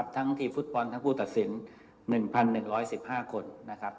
ทั้งทีมฟุตบอลทั้งผู้ตัดสิน๑๑๑๕คนนะครับ